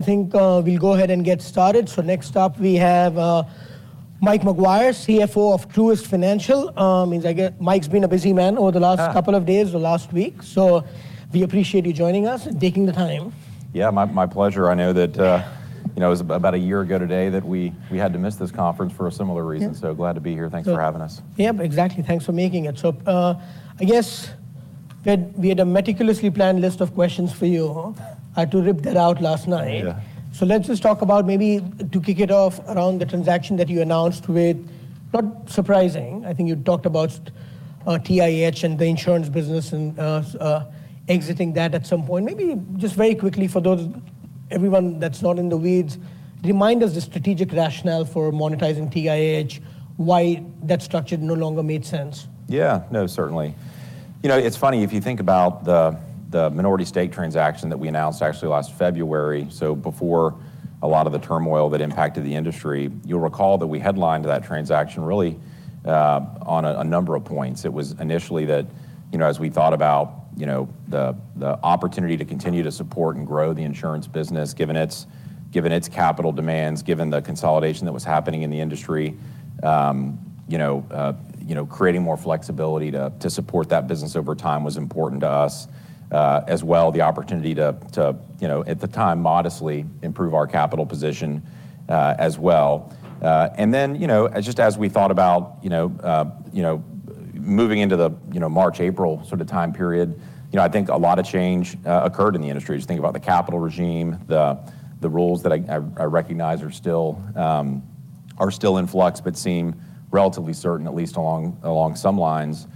I think we'll go ahead and get started. So next up we have Mike Maguire, CFO of Truist Financial. I mean, I get Mike's been a busy man over the last couple of days, the last week, so we appreciate you joining us and taking the time. Yeah, my pleasure. I know that, you know, it was about a year ago today that we had to miss this conference for a similar reason, so glad to be here. Thanks for having us. Yep, exactly. Thanks for making it. So, I guess we had a meticulously planned list of questions for you, to rip that out last night. Yeah. So, let's just talk about maybe to kick it off around the transaction that you announced, with not surprising. I think you talked about TIH and the insurance business and exiting that at some point. Maybe just very quickly, for those everyone that's not in the weeds, remind us the strategic rationale for monetizing TIH, why that structure no longer made sense. Yeah, no, certainly. You know, it's funny, if you think about the minority stake transaction that we announced actually last February, so before a lot of the turmoil that impacted the industry, you'll recall that we headlined that transaction really, on a number of points. It was initially that, you know, as we thought about, you know, the opportunity to continue to support and grow the insurance business, given its capital demands, given the consolidation that was happening in the industry, you know, you know, creating more flexibility to support that business over time was important to us, as well the opportunity to, you know, at the time, modestly improve our capital position, as well. And then, you know, just as we thought about, you know, you know, moving into the, you know, March, April sort of time period, you know, I think a lot of change occurred in the industry. Just think about the capital regime, the rules that I recognize are still, are still in flux but seem relatively certain, at least along some lines,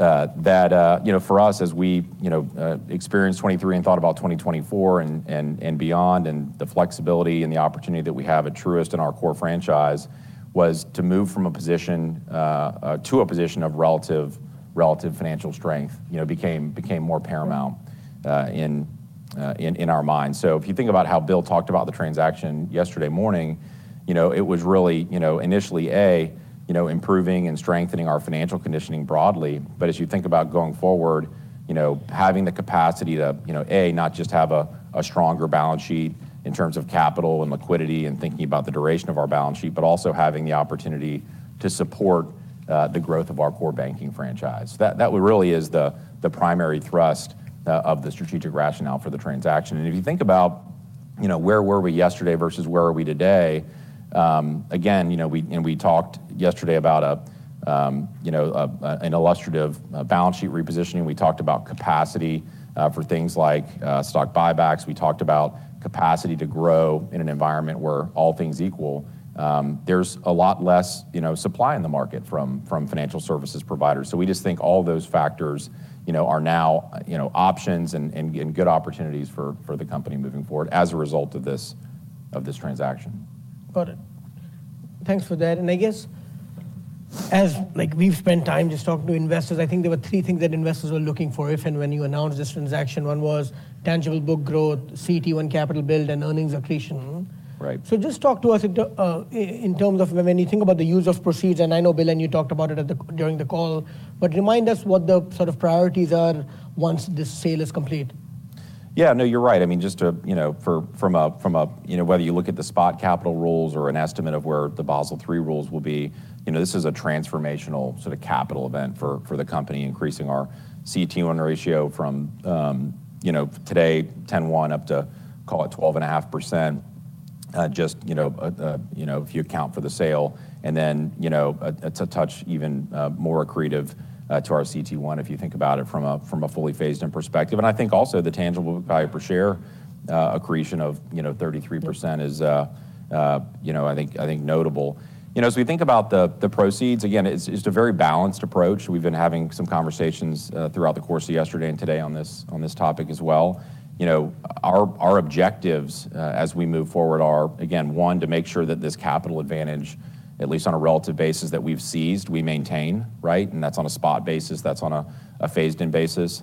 that, you know, for us, as we, you know, experienced 2023 and thought about 2024 and beyond, and the flexibility and the opportunity that we have at Truist and our core franchise was to move from a position, to a position of relative, relative financial strength, you know, became more paramount in our minds. So if you think about how Bill talked about the transaction yesterday morning, you know, it was really, you know, initially, you know, improving and strengthening our financial conditioning broadly, but as you think about going forward, you know, having the capacity to, you know, not just have a stronger balance sheet in terms of capital and liquidity and thinking about the duration of our balance sheet, but also having the opportunity to support the growth of our core banking franchise. That really is the primary thrust of the strategic rationale for the transaction. And if you think about, you know, where were we yesterday versus where are we today, again, you know, we and we talked yesterday about a, you know, an illustrative balance sheet repositioning. We talked about capacity for things like stock buybacks. We talked about capacity to grow in an environment where all things equal. There's a lot less, you know, supply in the market from financial services providers. So we just think all those factors, you know, are now, you know, options and good opportunities for the company moving forward as a result of this transaction. Got it. Thanks for that. I guess as, like, we've spent time just talking to investors, I think there were three things that investors were looking for if and when you announced this transaction. One was tangible book growth, CET1 capital build, and earnings accretion. Right. Just talk to us in terms of when you think about the use of proceeds, and I know, Bill, and you talked about it during the call, but remind us what the sort of priorities are once this sale is complete. Yeah, no, you're right. I mean, just to, you know, from a you know, whether you look at the spot capital rules or an estimate of where the Basel III rules will be, you know, this is a transformational sort of capital event for the company, increasing our CET1 ratio from, you know, today, 10.1%, up to, call it, 12.5%, just, you know, you know, if you account for the sale. And then, you know, it's a touch even more accretive to our CET1 if you think about it from a fully phased-in perspective. And I think also the tangible value per share accretion of, you know, 33% is, you know, I think notable. You know, as we think about the proceeds, again, it's a very balanced approach. We've been having some conversations throughout the course of yesterday and today on this topic as well. You know, our objectives as we move forward are, again, one, to make sure that this capital advantage, at least on a relative basis that we've seized, we maintain, right? And that's on a spot basis. That's on a phased-in basis.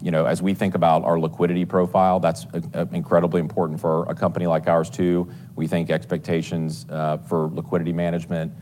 You know, as we think about our liquidity profile, that's incredibly important for a company like ours too. We think expectations for liquidity management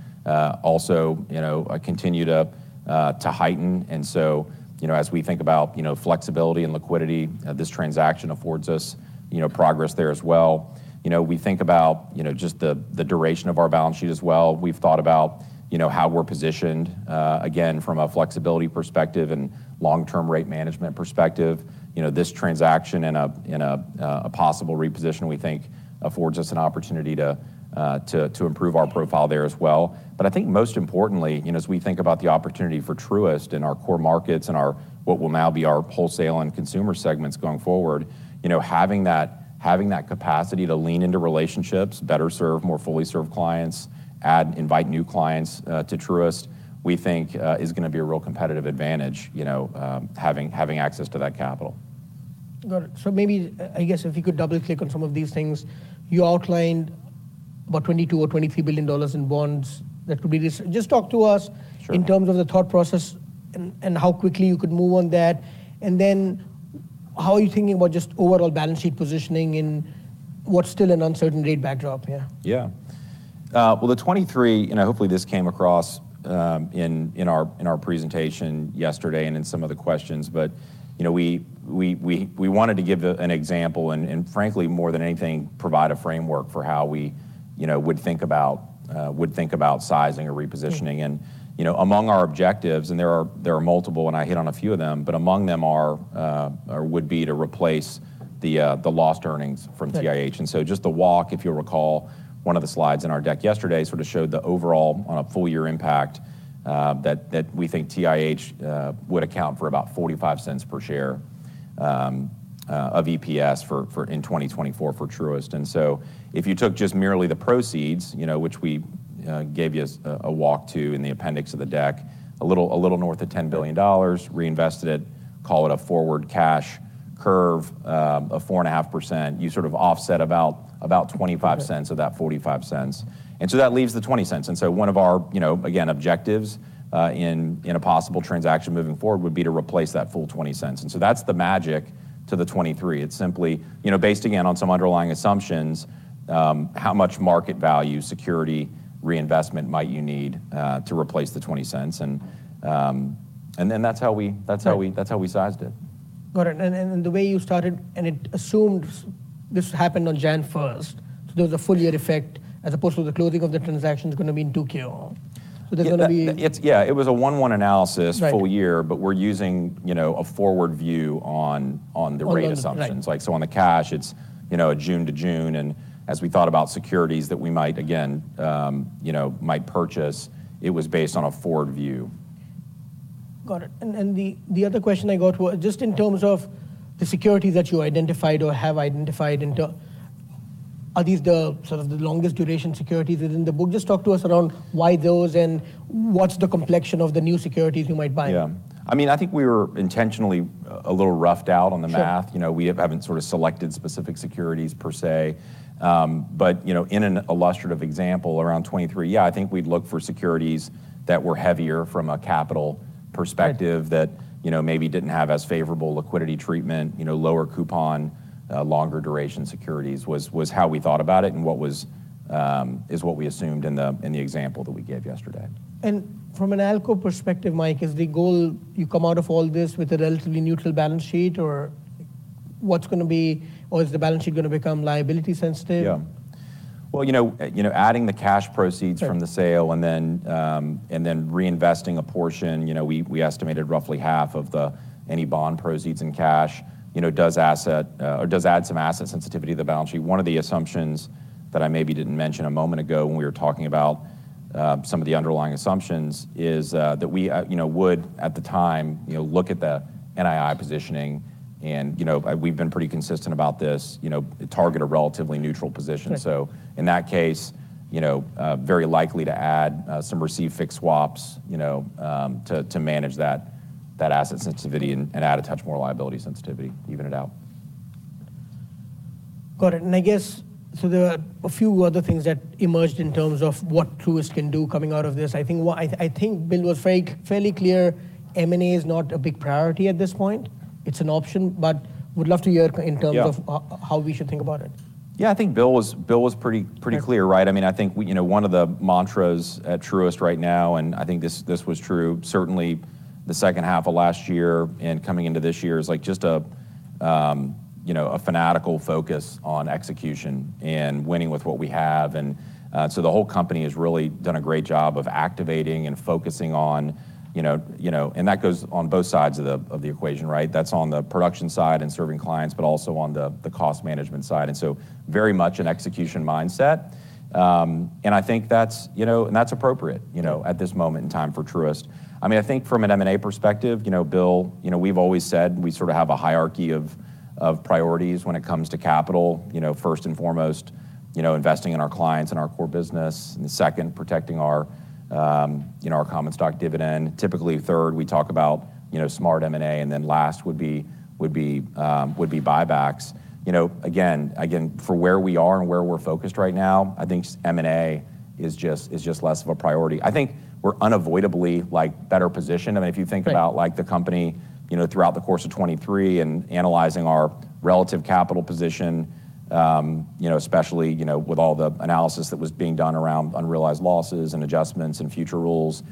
also, you know, continue to heighten. And so, you know, as we think about, you know, flexibility and liquidity, this transaction affords us, you know, progress there as well. You know, we think about, you know, just the duration of our balance sheet as well. We've thought about, you know, how we're positioned, again, from a flexibility perspective and long-term rate management perspective. You know, this transaction and a possible reposition, we think, affords us an opportunity to improve our profile there as well. But I think most importantly, you know, as we think about the opportunity for Truist and our core markets and what will now be our wholesale and consumer segments going forward, you know, having that capacity to lean into relationships, better serve, more fully serve clients, invite new clients to Truist, we think, is going to be a real competitive advantage, you know, having access to that capital. Got it. So maybe, I guess, if you could double-click on some of these things, you outlined about $22 billion or $23 billion in bonds that could be just talk to us in terms of the thought process and how quickly you could move on that. And then how are you thinking about just overall balance sheet positioning in what's still an uncertain rate backdrop here? Yeah. Well, the 2023, and hopefully this came across in our presentation yesterday and in some of the questions, but, you know, we wanted to give an example and, frankly, more than anything, provide a framework for how we, you know, would think about sizing or repositioning. And, you know, among our objectives, and there are multiple, and I hit on a few of them, but among them would be to replace the lost earnings from TIH. And so just the walk, if you'll recall, one of the slides in our deck yesterday sort of showed the overall, on a full-year impact, that we think TIH would account for about $0.45 per share of EPS in 2024 for Truist. And so if you took just merely the proceeds, you know, which we gave you a walk to in the appendix of the deck, a little north of $10 billion, reinvested it, call it a forward cash curve of 4.5%, you sort of offset about $0.25 of that $0.45. And so that leaves the $0.20. And so one of our, you know, again, objectives in a possible transaction moving forward would be to replace that full $0.20. And so that's the magic to the 2023. It's simply, you know, based, again, on some underlying assumptions, how much market value security reinvestment might you need to replace the $0.20. And then that's how we sized it. Got it. And the way you started, and it assumed this happened on January 1st, so there was a full-year effect as opposed to the closing of the transaction's going to mean 2Q. So there's going to be... Yeah, it was a 1:1 analysis, full year, but we're using, you know, a forward view on the rate assumptions. So on the cash, it's, you know, a June to June. And as we thought about securities that we might, again, you know, might purchase, it was based on a forward view. Got it. And the other question I got was just in terms of the securities that you identified or have identified in terms. Are these the sort of the longest-duration securities within the book? Just talk to us around why those and what's the complexion of the new securities you might buy. Yeah. I mean, I think we were intentionally a little roughed out on the math. You know, we haven't sort of selected specific securities per se. But, you know, in an illustrative example, around 2023, yeah, I think we'd look for securities that were heavier from a capital perspective, that, you know, maybe didn't have as favorable liquidity treatment, you know, lower coupon, longer-duration securities was how we thought about it and what was, is what we assumed in the example that we gave yesterday. From an ALCO perspective, Mike, is the goal you come out of all this with a relatively neutral balance sheet, or what's going to be or is the balance sheet going to become liability-sensitive? Yeah. Well, you know, adding the cash proceeds from the sale and then reinvesting a portion, you know, we estimated roughly half of the any bond proceeds in cash, you know, does add some asset sensitivity to the balance sheet. One of the assumptions that I maybe didn't mention a moment ago when we were talking about some of the underlying assumptions is that we, you know, would, at the time, you know, look at the NII positioning. And, you know, we've been pretty consistent about this, you know, target a relatively neutral position. So in that case, you know, very likely to add some receive fixed swaps, you know, to manage that asset sensitivity and add a touch more liability sensitivity, even it out. Got it. And I guess so there were a few other things that emerged in terms of what Truist can do coming out of this. I think Bill was fairly clear, M&A is not a big priority at this point. It's an option, but would love to hear in terms of how we should think about it. Yeah, I think Bill was pretty clear, right? I mean, I think, you know, one of the mantras at Truist right now, and I think this was true, certainly the second half of last year and coming into this year, is, like, just a, you know, a fanatical focus on execution and winning with what we have. And so the whole company has really done a great job of activating and focusing on, you know, and that goes on both sides of the equation, right? That's on the production side and serving clients, but also on the cost management side. And so very much an execution mindset. And I think that's, you know, and that's appropriate, you know, at this moment in time for Truist. I mean, I think from an M&A perspective, you know, Bill, you know, we've always said we sort of have a hierarchy of priorities when it comes to capital, you know, first and foremost, you know, investing in our clients and our core business. And second, protecting our, you know, our common stock dividend. Typically, third, we talk about, you know, smart M&A. And then last would be buybacks. You know, again, for where we are and where we're focused right now, I think M&A is just less of a priority. I think we're unavoidably, like, better positioned. I mean, if you think about, like, the company, you know, throughout the course of 2023 and analyzing our relative capital position, you know, especially, you know, with all the analysis that was being done around unrealized losses and adjustments and future rules,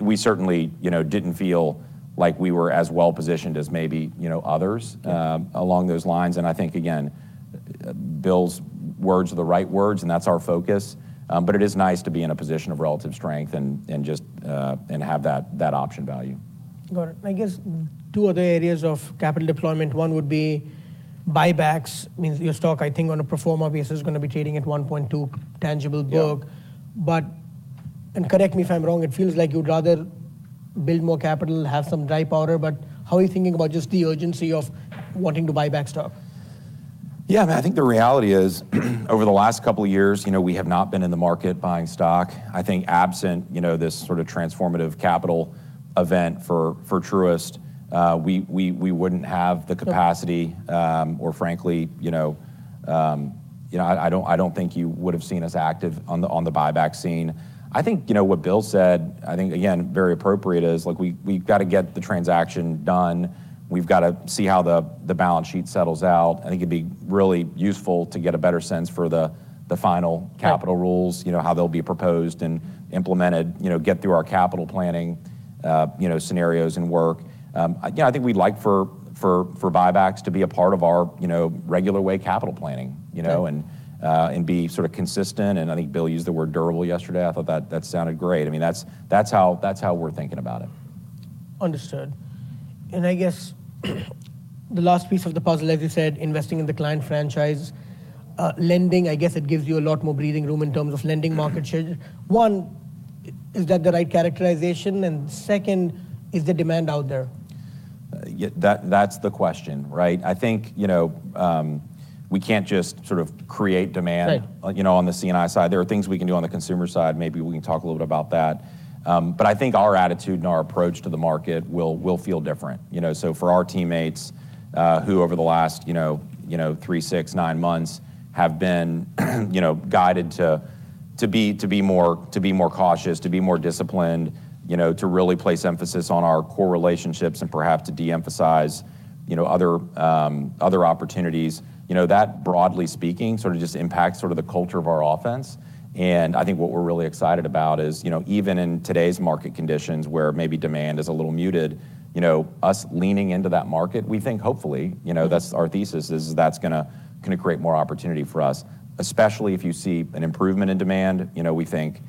we certainly, you know, didn't feel like we were as well positioned as maybe, you know, others along those lines. And I think, again, Bill's words are the right words, and that's our focus. But it is nice to be in a position of relative strength and just and have that option value. Got it. And I guess two other areas of capital deployment. One would be buybacks. Meaning your stock, I think, on pro forma basis is going to be trading at 1.2 tangible book. But and correct me if I'm wrong, it feels like you'd rather build more capital, have some dry powder, but how are you thinking about just the urgency of wanting to buy back stock? Yeah, man, I think the reality is, over the last couple of years, you know, we have not been in the market buying stock. I think absent, you know, this sort of transformative capital event for Truist, we wouldn't have the capacity or, frankly, you know you know, I don't think you would have seen us active on the buyback scene. I think, you know, what Bill said, I think, again, very appropriate, is, like, we've got to get the transaction done. We've got to see how the balance sheet settles out. I think it'd be really useful to get a better sense for the final capital rules, you know, how they'll be proposed and implemented, you know, get through our capital planning, you know, scenarios and work. You know, I think we'd like for buybacks to be a part of our, you know, regular way capital planning, you know, and be sort of consistent. And I think Bill used the word durable yesterday. I thought that sounded great. I mean, that's how we're thinking about it. Understood. And I guess the last piece of the puzzle, as you said, investing in the client franchise. Lending, I guess, it gives you a lot more breathing room in terms of lending market share. One, is that the right characterization? And second, is the demand out there? That's the question, right? I think, you know, we can't just sort of create demand, you know, on the C&I side. There are things we can do on the consumer side. Maybe we can talk a little bit about that. But I think our attitude and our approach to the market will feel different. You know, so for our teammates who, over the last, you know, three, six, nine months, have been, you know, guided to be more cautious, to be more disciplined, you know, to really place emphasis on our core relationships and perhaps to de-emphasize, you know, other opportunities, you know, that, broadly speaking, sort of just impacts sort of the culture of our offense. I think what we're really excited about is, you know, even in today's market conditions where maybe demand is a little muted, you know, us leaning into that market, we think, hopefully, you know, that's our thesis, is that's going to create more opportunity for us. Especially if you see an improvement in demand, you know, we think,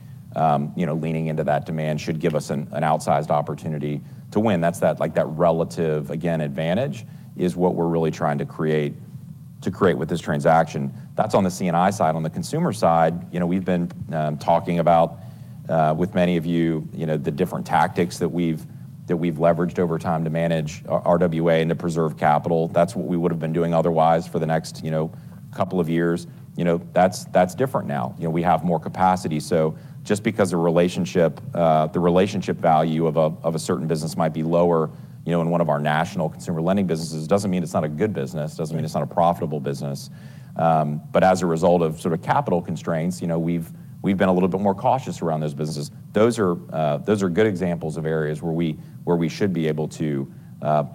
you know, leaning into that demand should give us an outsized opportunity to win. That's that, like, that relative, again, advantage is what we're really trying to create with this transaction. That's on the C&I side. On the consumer side, you know, we've been talking about with many of you, you know, the different tactics that we've leveraged over time to manage RWA and to preserve capital. That's what we would have been doing otherwise for the next, you know, couple of years. You know, that's different now. You know, we have more capacity. So just because the relationship value of a certain business might be lower, you know, in one of our national consumer lending businesses, it doesn't mean it's not a good business. It doesn't mean it's not a profitable business. But as a result of sort of capital constraints, you know, we've been a little bit more cautious around those businesses. Those are good examples of areas where we should be able to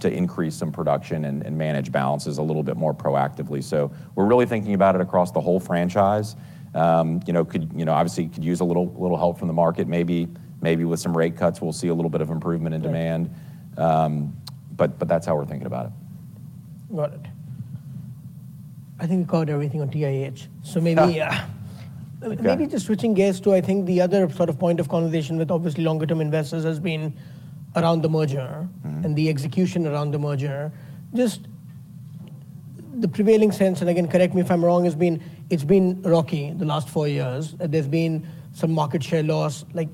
increase some production and manage balances a little bit more proactively. So we're really thinking about it across the whole franchise. You know, obviously, it could use a little help from the market, maybe. Maybe with some rate cuts, we'll see a little bit of improvement in demand. But that's how we're thinking about it. Got it. I think we covered everything on TIH. So maybe just switching gears to, I think, the other sort of point of conversation with, obviously, longer-term investors has been around the merger and the execution around the merger. Just the prevailing sense, and again, correct me if I'm wrong, has been it's been rocky the last four years. There's been some market share loss. Like,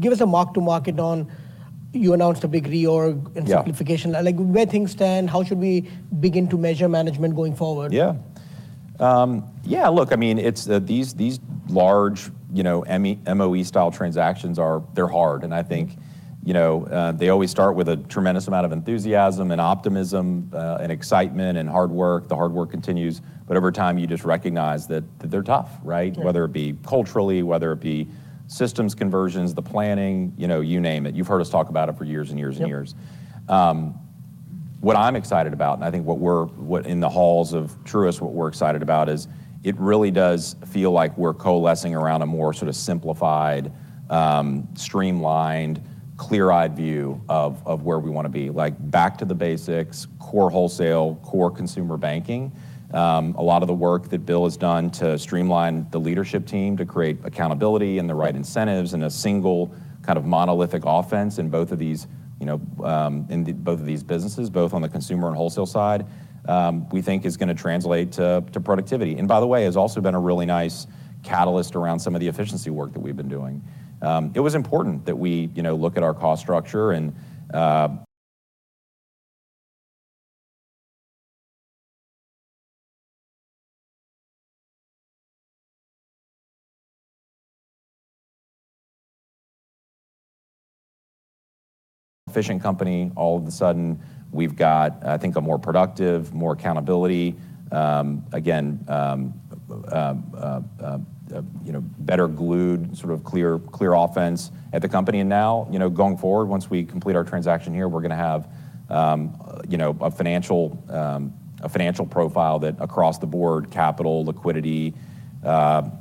give us a mark-to-market on you announced a big reorg and simplification. Like, where things stand? How should we begin to measure management going forward? Yeah. Yeah, look, I mean, these large, you know, MOE-style transactions, they're hard. And I think, you know, they always start with a tremendous amount of enthusiasm and optimism and excitement and hard work. The hard work continues. But over time, you just recognize that they're tough, right? Whether it be culturally, whether it be systems conversions, the planning, you know, you name it. You've heard us talk about it for years and years and years. What I'm excited about, and I think what we're in the halls of Truist, what we're excited about is it really does feel like we're coalescing around a more sort of simplified, streamlined, clear-eyed view of where we want to be. Like, back to the basics, core wholesale, core consumer banking. A lot of the work that Bill has done to streamline the leadership team, to create accountability and the right incentives in a single kind of monolithic offense in both of these, you know, in both of these businesses, both on the consumer and wholesale side, we think is going to translate to productivity. And, by the way, has also been a really nice catalyst around some of the efficiency work that we've been doing. It was important that we, you know, look at our cost structure and efficient company. All of a sudden, we've got, I think, a more productive, more accountability, again, you know, better glued sort of clear offense at the company. Now, you know, going forward, once we complete our transaction here, we're going to have, you know, a financial profile that across the board, capital, liquidity,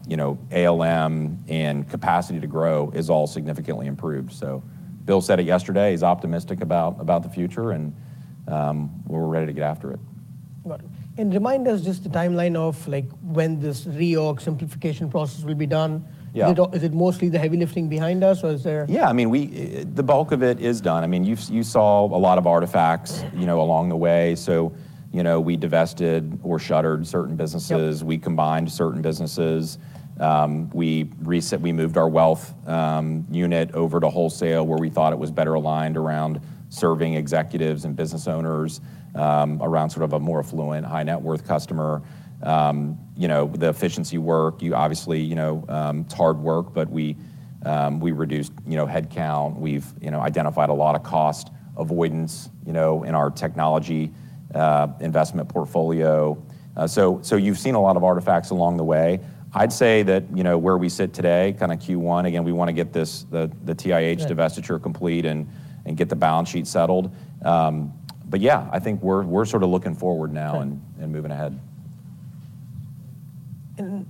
you know, ALM and capacity to grow is all significantly improved. So Bill said it yesterday. He's optimistic about the future, and we're ready to get after it. Got it. And remind us just the timeline of, like, when this reorg simplification process will be done. Is it mostly the heavy lifting behind us, or is there? Yeah, I mean, we've the bulk of it is done. I mean, you saw a lot of artifacts, you know, along the way. So, you know, we divested or shuttered certain businesses. We combined certain businesses. We moved our wealth unit over to wholesale, where we thought it was better aligned around serving executives and business owners, around sort of a more affluent, high-net-worth customer. You know, the efficiency work, you obviously, you know, it's hard work, but we reduced, you know, headcount. We've, you know, identified a lot of cost avoidance, you know, in our technology investment portfolio. So you've seen a lot of artifacts along the way. I'd say that, you know, where we sit today, kind of Q1, again, we want to get this, the TIH divestiture complete and get the balance sheet settled. But, yeah, I think we're sort of looking forward now and moving ahead. And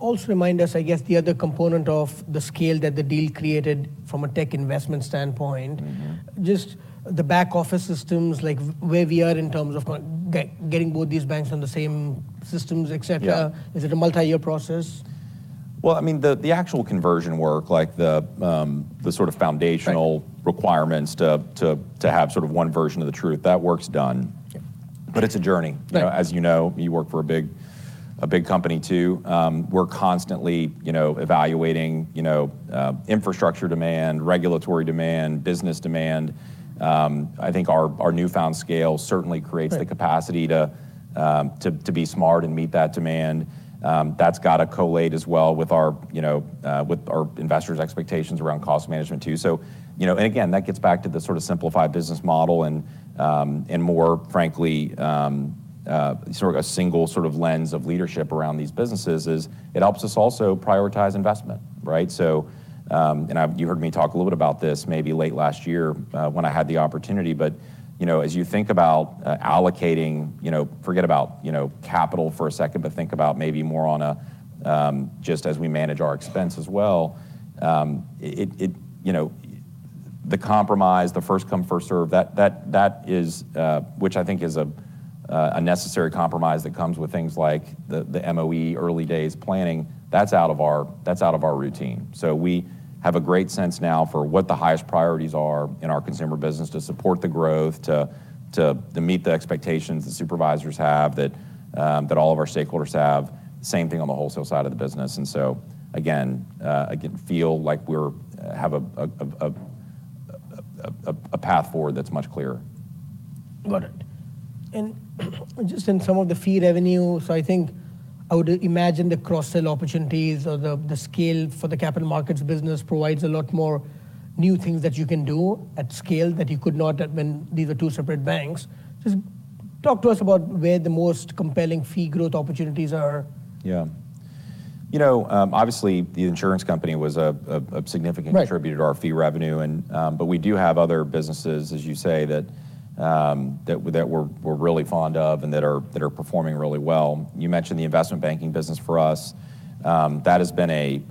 also remind us, I guess, the other component of the scale that the deal created from a tech investment standpoint. Just the back-office systems, like, where we are in terms of getting both these banks on the same systems, et cetera. Is it a multi-year process? Well, I mean, the actual conversion work, like, the sort of foundational requirements to have sort of one version of the truth, that work's done. But it's a journey. You know, as you know, you work for a big company, too. We're constantly, you know, evaluating, you know, infrastructure demand, regulatory demand, business demand. I think our newfound scale certainly creates the capacity to be smart and meet that demand. That's got to collate as well with our, you know, with our investors' expectations around cost management, too. So, you know, and again, that gets back to the sort of simplified business model and more, frankly, sort of a single sort of lens of leadership around these businesses is it helps us also prioritize investment, right? So and you heard me talk a little bit about this maybe late last year when I had the opportunity. But, you know, as you think about allocating, you know, forget about, you know, capital for a second, but think about maybe more on a just as we manage our expense as well, it, you know, the compromise, the first come, first serve, that is which I think is a necessary compromise that comes with things like the MOE early days planning, that's out of our routine. So we have a great sense now for what the highest priorities are in our consumer business to support the growth, to meet the expectations the supervisors have, that all of our stakeholders have. Same thing on the wholesale side of the business. And so, again, I can feel like we're have a path forward that's much clearer. Got it. And just in some of the fee revenue, so I think I would imagine the cross-sell opportunities or the scale for the capital markets business provides a lot more new things that you can do at scale that you could not when these are two separate banks. Just talk to us about where the most compelling fee growth opportunities are. Yeah. You know, obviously, the insurance company was a significant contributor to our fee revenue. But we do have other businesses, as you say, that we're really fond of and that are performing really well. You mentioned the investment banking business for us. That has been a,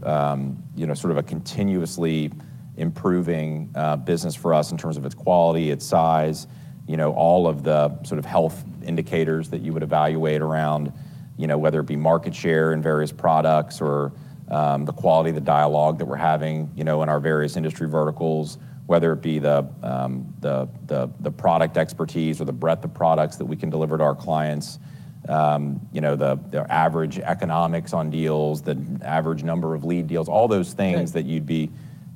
you know, sort of a continuously improving business for us in terms of its quality, its size, you know, all of the sort of health indicators that you would evaluate around, you know, whether it be market share in various products or the quality, the dialogue that we're having, you know, in our various industry verticals, whether it be the product expertise or the breadth of products that we can deliver to our clients, you know, the average economics on deals, the average number of lead deals, all those things that you'd be,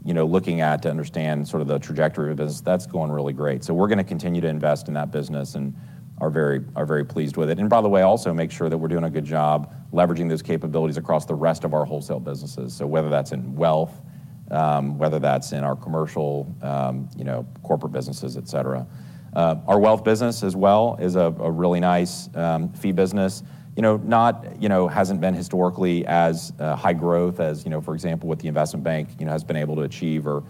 you know, looking at to understand sort of the trajectory of the business. That's going really great. So we're going to continue to invest in that business and are very pleased with it. By the way, also make sure that we're doing a good job leveraging those capabilities across the rest of our wholesale businesses. So whether that's in wealth, whether that's in our commercial, you know, corporate businesses, et cetera. Our wealth business as well is a really nice fee business. You know, not, you know, hasn't been historically as high growth as, you know, for example, what the investment bank, you know, has been able to achieve or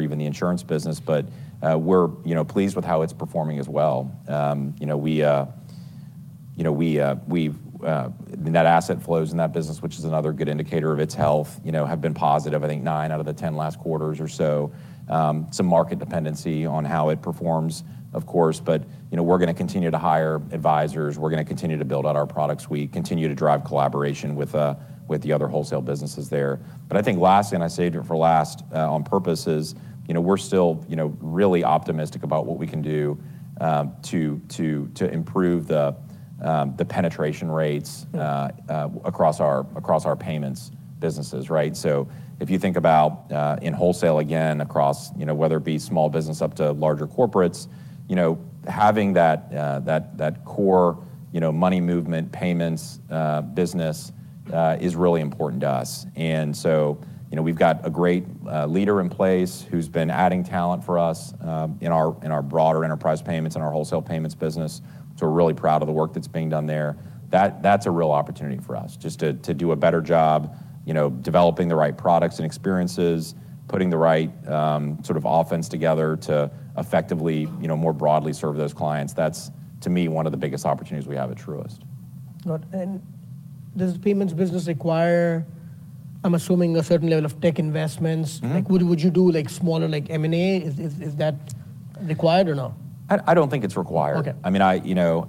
even the insurance business. But we're, you know, pleased with how it's performing as well. You know, we, you know, we've that asset flows in that business, which is another good indicator of its health, you know, have been positive, I think, nine out of the 10 last quarters or so. Some market dependency on how it performs, of course. But, you know, we're going to continue to hire advisors. We're going to continue to build out our products. We continue to drive collaboration with the other wholesale businesses there. But I think last, and I saved it for last on purpose, is, you know, we're still, you know, really optimistic about what we can do to improve the penetration rates across our payments businesses, right? So if you think about in wholesale, again, across, you know, whether it be small business up to larger corporates, you know, having that core, you know, money movement payments business is really important to us. And so, you know, we've got a great leader in place who's been adding talent for us in our broader enterprise payments, in our wholesale payments business. So we're really proud of the work that's being done there. That's a real opportunity for us, just to do a better job, you know, developing the right products and experiences, putting the right sort of offense together to effectively, you know, more broadly serve those clients. That's, to me, one of the biggest opportunities we have at Truist. Got it. And does the payments business require, I'm assuming, a certain level of tech investments? Like, would you do, like, smaller, like, M&A? Is that required or not? I don't think it's required. I mean, you know,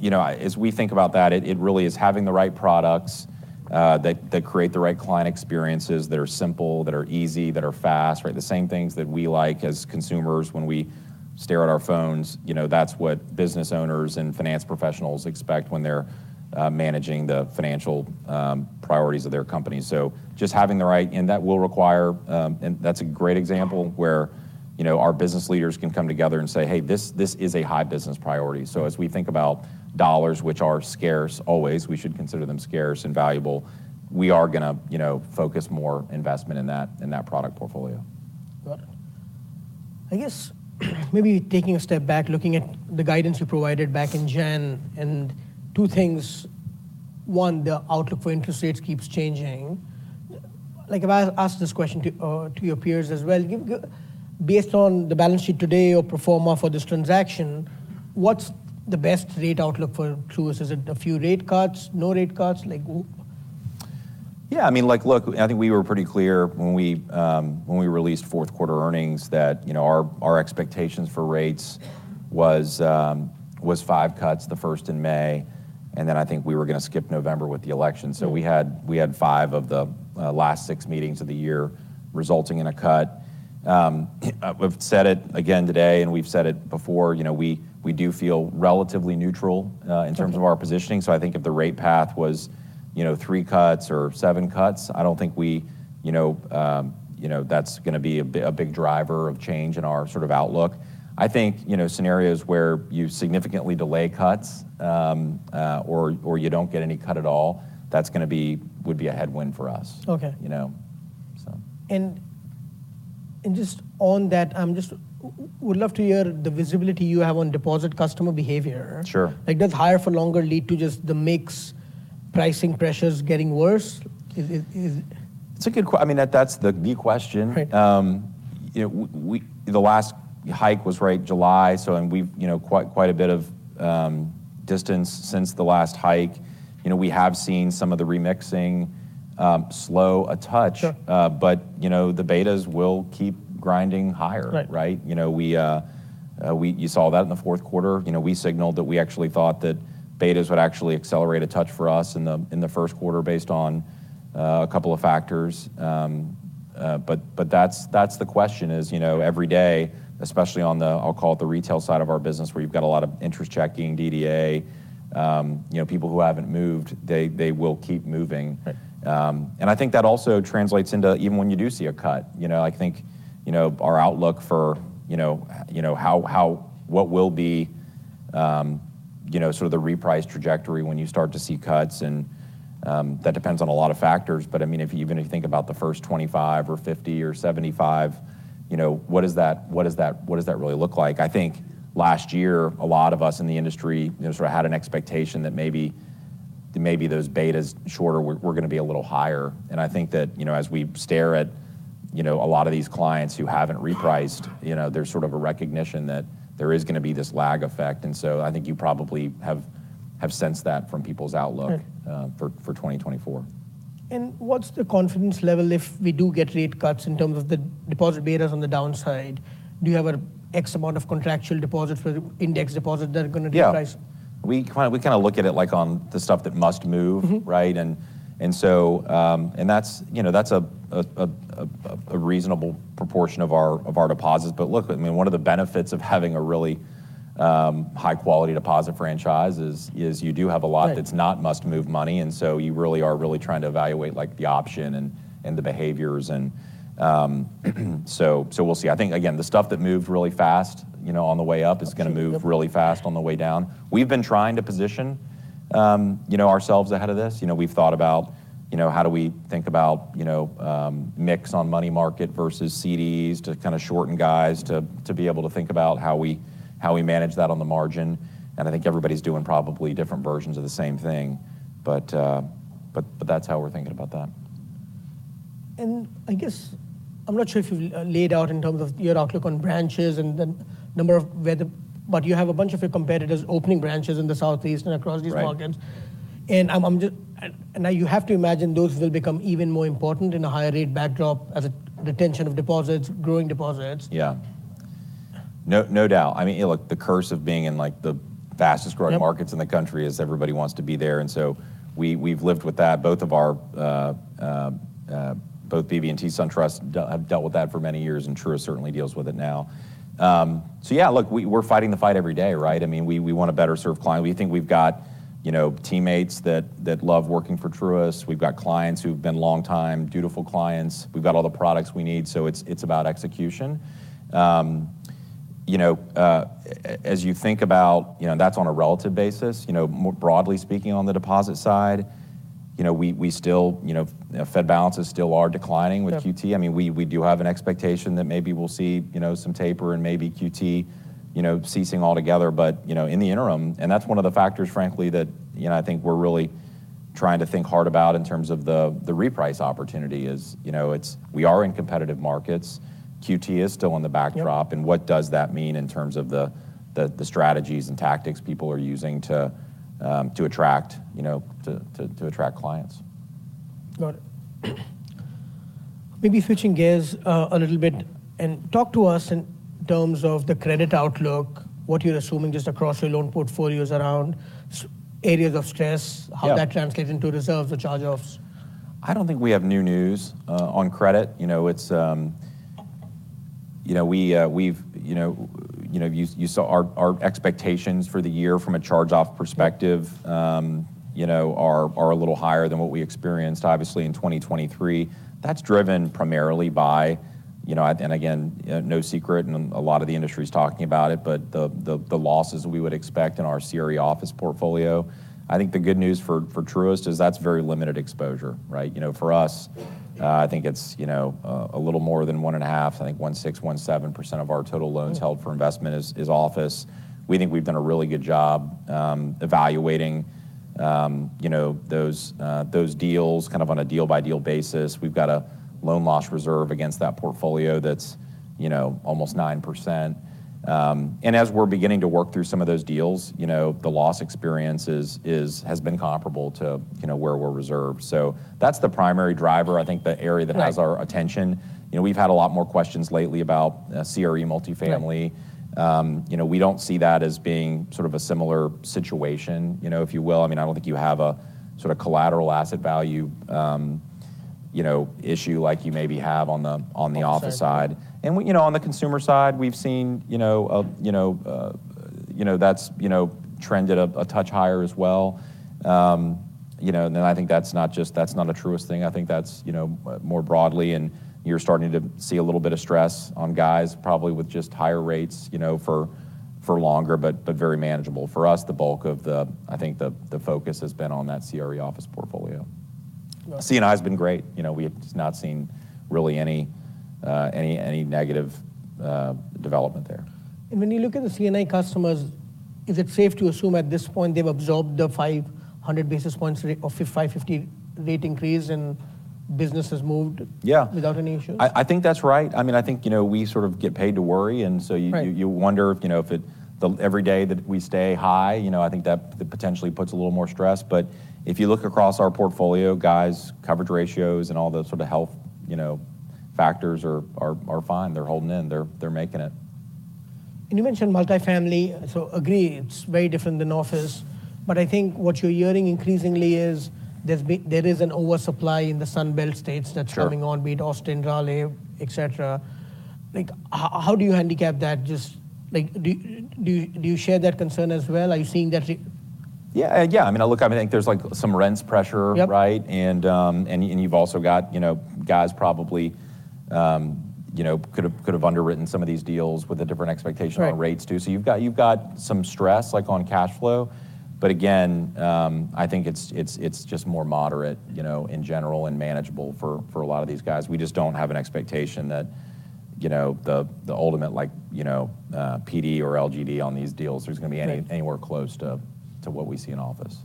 you know, as we think about that, it really is having the right products that create the right client experiences that are simple, that are easy, that are fast, right? The same things that we like as consumers when we stare at our phones, you know, that's what business owners and finance professionals expect when they're managing the financial priorities of their company. So just having the right and that will require and that's a great example where, you know, our business leaders can come together and say, "Hey, this is a high business priority." So as we think about dollars, which are scarce always, we should consider them scarce and valuable. We are going to, you know, focus more investment in that product portfolio. Got it. I guess maybe taking a step back, looking at the guidance you provided back in January, and two things. One, the outlook for interest rates keeps changing. Like, if I ask this question to your peers as well, based on the balance sheet today or pro forma for this transaction, what's the best rate outlook for Truist? Is it a few rate cuts, no rate cuts? Like. Yeah, I mean, like, look, I think we were pretty clear when we released fourth quarter earnings that, you know, our expectations for rates was five cuts, the first in May. And then I think we were going to skip November with the election. So we had five of the last six meetings of the year resulting in a cut. I've said it again today, and we've said it before. You know, we do feel relatively neutral in terms of our positioning. So I think if the rate path was, you know, three cuts or seven cuts, I don't think we, you know, you know, that's going to be a big driver of change in our sort of outlook. I think, you know, scenarios where you significantly delay cuts or you don't get any cut at all, that's going to be would be a headwind for us, you know, so. Just on that, I would just love to hear the visibility you have on deposit customer behavior. Sure. Like, does higher for longer lead to just the mix pricing pressures getting worse? It's a good question. I mean, that's the key question. You know, the last hike was, right, July. So and we've, you know, quite a bit of distance since the last hike. You know, we have seen some of the remixing slow a touch. But, you know, the betas will keep grinding higher, right? You know, we—you saw that in the fourth quarter. You know, we signaled that we actually thought that betas would actually accelerate a touch for us in the first quarter based on a couple of factors. But that's the question, is, you know, every day, especially on the—I'll call it the retail side of our business, where you've got a lot of interest checking, DDA, you know, people who haven't moved, they will keep moving. And I think that also translates into even when you do see a cut. You know, I think, you know, our outlook for, you know, how what will be, you know, sort of the reprice trajectory when you start to see cuts. And that depends on a lot of factors. But, I mean, even if you think about the first 25 or 50 or 75, you know, what does that really look like? I think last year, a lot of us in the industry, you know, sort of had an expectation that maybe those betas shorter were going to be a little higher. And I think that, you know, as we stare at, you know, a lot of these clients who haven't repriced, you know, there's sort of a recognition that there is going to be this lag effect. And so I think you probably have sensed that from people's outlook for 2024. What's the confidence level if we do get rate cuts in terms of the deposit betas on the downside? Do you have an X amount of contractual deposits with index deposits that are going to reprice? Yeah. We kind of look at it, like, on the stuff that must move, right? And so and that's, you know, that's a reasonable proportion of our deposits. But, look, I mean, one of the benefits of having a really high-quality deposit franchise is you do have a lot that's not must-move money. And so you really are really trying to evaluate, like, the option and the behaviors. And so we'll see. I think, again, the stuff that moves really fast, you know, on the way up is going to move really fast on the way down. We've been trying to position, you know, ourselves ahead of this. You know, we've thought about, you know, how do we think about, you know, mix on money market versus CDs to kind of shorten guys to be able to think about how we manage that on the margin. I think everybody's doing probably different versions of the same thing. That's how we're thinking about that. I guess I'm not sure if you've laid out in terms of your outlook on branches and the number of where the but you have a bunch of your competitors opening branches in the Southeast and across these markets. I'm just now you have to imagine those will become even more important in a higher-rate backdrop as retention of deposits, growing deposits. Yeah. No doubt. I mean, look, the curse of being in, like, the fastest-growing markets in the country is everybody wants to be there. And so we've lived with that. Both of our BB&T and SunTrust have dealt with that for many years, and Truist certainly deals with it now. So, yeah, look, we're fighting the fight every day, right? I mean, we want to better serve clients. We think we've got, you know, teammates that love working for Truist. We've got clients who've been long-time, dutiful clients. We've got all the products we need. So it's about execution. You know, as you think about, you know, and that's on a relative basis, you know, broadly speaking on the deposit side, you know, we still, you know, Fed balances still are declining with QT. I mean, we do have an expectation that maybe we'll see, you know, some taper and maybe QT, you know, ceasing altogether. But, you know, in the interim and that's one of the factors, frankly, that, you know, I think we're really trying to think hard about in terms of the reprice opportunity is, you know, it's we are in competitive markets. QT is still in the backdrop. And what does that mean in terms of the strategies and tactics people are using to attract, you know, to attract clients? Got it. Maybe switching gears a little bit and talk to us in terms of the credit outlook, what you're assuming just across your loan portfolios around areas of stress, how that translates into reserves or charge-offs. I don't think we have new news on credit. You know, it's you know, we've, you know, you know, you saw our expectations for the year from a charge-off perspective, you know, are a little higher than what we experienced, obviously, in 2023. That's driven primarily by, you know, and again, no secret, and a lot of the industry is talking about it, but the losses we would expect in our CRE office portfolio. I think the good news for Truist is that's very limited exposure, right? You know, for us, I think it's, you know, a little more than 1.5%. I think 1.6%-1.7% of our total loans held for investment is office. We think we've done a really good job evaluating, you know, those deals kind of on a deal-by-deal basis. We've got a loan loss reserve against that portfolio that's, you know, almost 9%. And as we're beginning to work through some of those deals, you know, the loss experience has been comparable to, you know, where we're reserved. So that's the primary driver, I think, the area that has our attention. You know, we've had a lot more questions lately about CRE multifamily. You know, we don't see that as being sort of a similar situation, you know, if you will. I mean, I don't think you have a sort of collateral asset value, you know, issue like you maybe have on the office side. And, you know, on the consumer side, we've seen, you know, you know, you know, that's, you know, trended a touch higher as well. You know, and then I think that's not just that's not a Truist thing. I think that's, you know, more broadly. You're starting to see a little bit of stress on guys, probably with just higher rates, you know, for longer, but very manageable. For us, the bulk of the I think the focus has been on that CRE office portfolio. C&I has been great. You know, we have just not seen really any negative development there. When you look at the C&I customers, is it safe to assume at this point they've absorbed the 500 basis points or 550 rate increase and business has moved without any issues? Yeah. I think that's right. I mean, I think, you know, we sort of get paid to worry. And so you wonder, you know, if it's every day that we stay high, you know, I think that potentially puts a little more stress. But if you look across our portfolio, guys, coverage ratios, and all the sort of health, you know, factors are fine. They're holding in. They're making it. And you mentioned multifamily. So agree, it's very different than office. But I think what you're hearing increasingly is there is an oversupply in the Sunbelt states that's coming on, be it Austin, Raleigh, et cetera. Like, how do you handicap that? Just, like, do you share that concern as well? Are you seeing that? Yeah, yeah. I mean, look, I think there's, like, some rent pressure, right? And you've also got, you know, guys probably, you know, could have underwritten some of these deals with a different expectation on rates too. So you've got some stress, like, on cash flow. But, again, I think it's just more moderate, you know, in general and manageable for a lot of these guys. We just don't have an expectation that, you know, the ultimate, like, you know, PD or LGD on these deals, there's going to be anywhere close to what we see in office.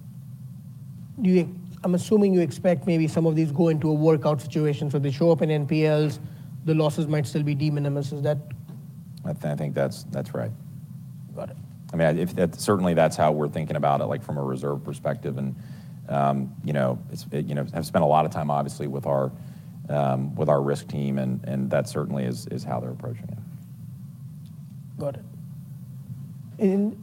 Do you? I'm assuming you expect maybe some of these go into a workout situation. So they show up in NPLs. The losses might still be de minimis. Is that? I think that's right. Got it. I mean, certainly, that's how we're thinking about it, like, from a reserve perspective. And, you know, it's you know, have spent a lot of time, obviously, with our risk team. And that certainly is how they're approaching it. Got it. And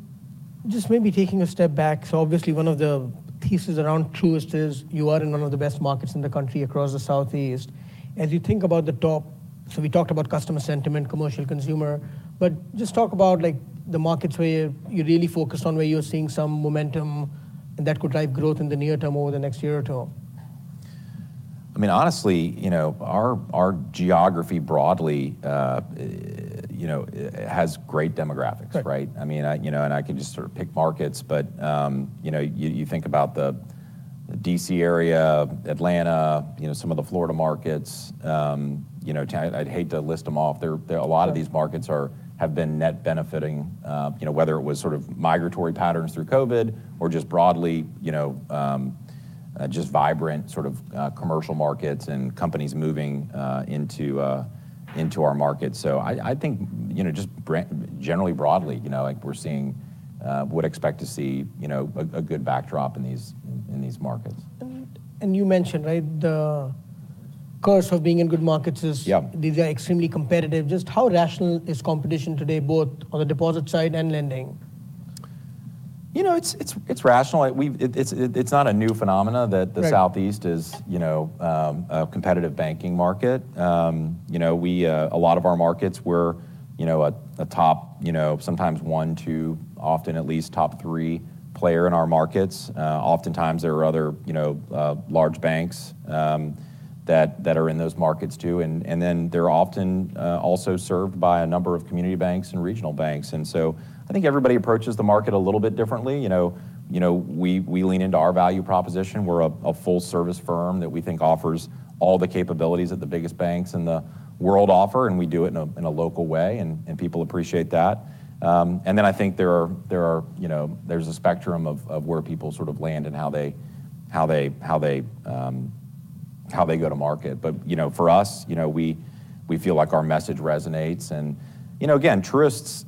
just maybe taking a step back. So obviously, one of the thesis around Truist is you are in one of the best markets in the country across the Southeast. As you think about the top so we talked about customer sentiment, commercial, consumer. But just talk about, like, the markets where you're really focused on, where you're seeing some momentum that could drive growth in the near term over the next year or two. I mean, honestly, you know, our geography broadly, you know, has great demographics, right? I mean, you know, and I can just sort of pick markets. But, you know, you think about the D.C. area, Atlanta, you know, some of the Florida markets. You know, I'd hate to list them off. A lot of these markets have been net benefiting, you know, whether it was sort of migratory patterns through COVID or just broadly, you know, just vibrant sort of commercial markets and companies moving into our markets. So I think, you know, just generally, broadly, you know, like, we're seeing would expect to see, you know, a good backdrop in these markets. You mentioned, right, the curse of being in good markets is these are extremely competitive. Just how rational is competition today, both on the deposit side and lending? You know, it's rational. It's not a new phenomenon that the Southeast is, you know, a competitive banking market. You know, we a lot of our markets, we're, you know, a top, you know, sometimes one, two, often at least top three player in our markets. Oftentimes, there are other, you know, large banks that are in those markets too. And then they're often also served by a number of community banks and regional banks. And so I think everybody approaches the market a little bit differently. You know, we lean into our value proposition. We're a full-service firm that we think offers all the capabilities that the biggest banks in the world offer. And we do it in a local way. And people appreciate that. And then I think there are, you know, there's a spectrum of where people sort of land and how they go to market. But, you know, for us, you know, we feel like our message resonates. And, you know, again, Truist's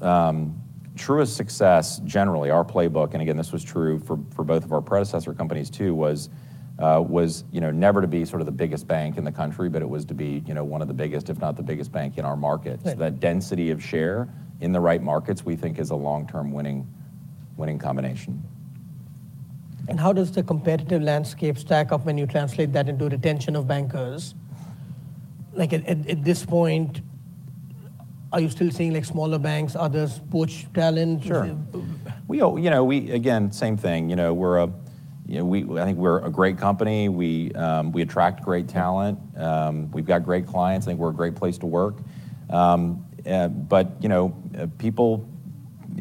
success, generally, our playbook and, again, this was true for both of our predecessor companies too, was, you know, never to be sort of the biggest bank in the country, but it was to be, you know, one of the biggest, if not the biggest bank in our market. So that density of share in the right markets, we think, is a long-term winning combination. How does the competitive landscape stack up when you translate that into retention of bankers? Like, at this point, are you still seeing, like, smaller banks, others poach talent? Sure. You know, again, same thing. You know, we're, I think, a great company. We attract great talent. We've got great clients. I think we're a great place to work. But, you know, people,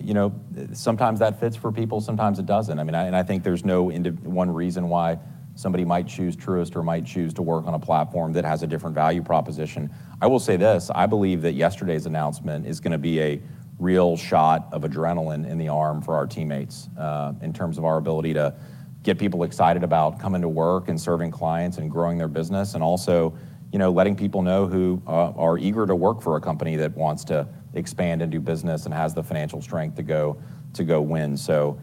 you know, sometimes that fits for people. Sometimes it doesn't. I mean, and I think there's no one reason why somebody might choose Truist or might choose to work on a platform that has a different value proposition. I will say this. I believe that yesterday's announcement is going to be a real shot of adrenaline in the arm for our teammates in terms of our ability to get people excited about coming to work and serving clients and growing their business and also, you know, letting people know who are eager to work for a company that wants to expand and do business and has the financial strength to go win. So,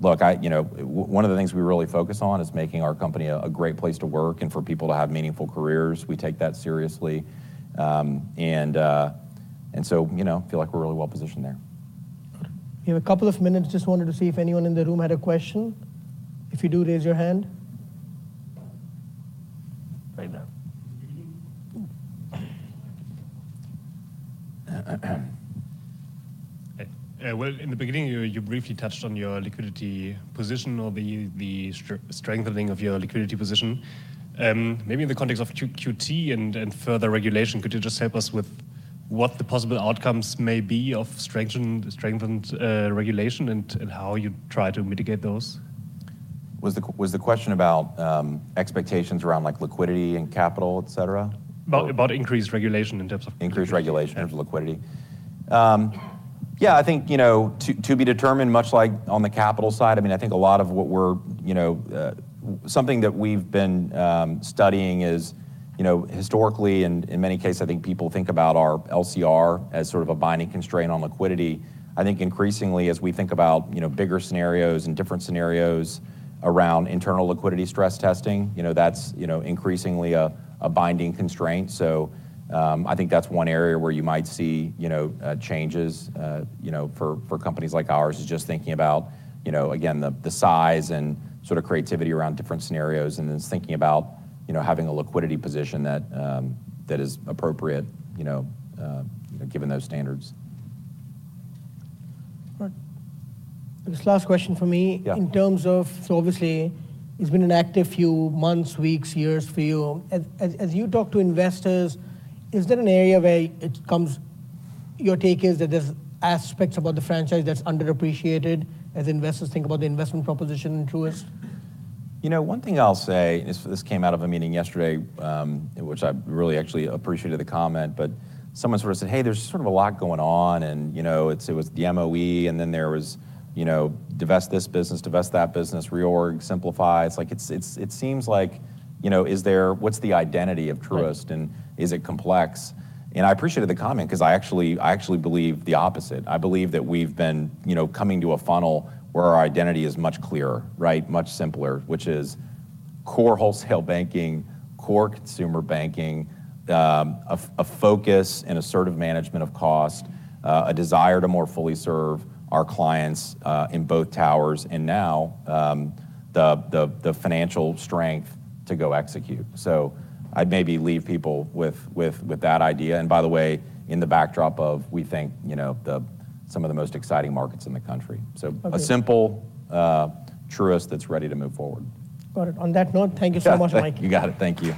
look, you know, one of the things we really focus on is making our company a great place to work and for people to have meaningful careers. We take that seriously. And so, you know, feel like we're really well-positioned there. We have a couple of minutes. Just wanted to see if anyone in the room had a question. If you do, raise your hand. Well, in the beginning, you briefly touched on your liquidity position or the strengthening of your liquidity position. Maybe in the context of QT and further regulation, could you just help us with what the possible outcomes may be of strengthened regulation and how you try to mitigate those? Was the question about expectations around, like, liquidity and capital, et cetera? About increased regulation in terms of. Increased regulation in terms of liquidity. Yeah, I think, you know, to be determined, much like on the capital side. I mean, I think a lot of what we're, you know, something that we've been studying is, you know, historically, and in many cases, I think people think about our LCR as sort of a binding constraint on liquidity. I think increasingly, as we think about, you know, bigger scenarios and different scenarios around internal liquidity stress testing, you know, that's, you know, increasingly a binding constraint. So I think that's one area where you might see, you know, changes, you know, for companies like ours is just thinking about, you know, again, the size and sort of creativity around different scenarios and then thinking about, you know, having a liquidity position that is appropriate, you know, given those standards. This last question for me. In terms of so obviously, it's been an active few months, weeks, years for you. As you talk to investors, is there an area where it comes your take is that there's aspects about the franchise that's underappreciated as investors think about the investment proposition in Truist? You know, one thing I'll say: this came out of a meeting yesterday, which I really actually appreciated—the comment. But someone sort of said, "Hey, there's sort of a lot going on." And, you know, it was the MOE. And then there was, you know, "Divest this business, divest that business, reorg, simplify." It's like, it seems like, you know, is there, what's the identity of Truist? And is it complex? And I appreciated the comment because I actually believe the opposite. I believe that we've been, you know, coming to a funnel where our identity is much clearer, right? Much simpler, which is core wholesale banking, core consumer banking, a focus and assertive management of cost, a desire to more fully serve our clients in both towers, and now the financial strength to go execute. So I'd maybe leave people with that idea. By the way, in the backdrop of, we think, you know, some of the most exciting markets in the country. A simple Truist that's ready to move forward. Got it. On that note, thank you so much, Mike. You got it. Thank you.